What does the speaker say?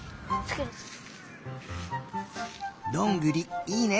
どんぐりいいね。